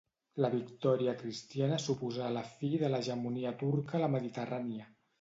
La victòria cristiana suposà la fi de l'hegemonia turca a la Mediterrània.